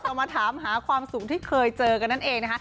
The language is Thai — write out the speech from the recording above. เอามาถามหาความสุขที่เคยเจอกันนั่นเองนะคะ